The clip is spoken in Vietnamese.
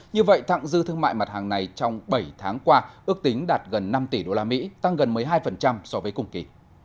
như vậy thẳng dư thương mại mặt hàng này trong bảy tháng qua ước tính đạt gần năm tỷ usd tăng gần một mươi hai so với cùng kỳ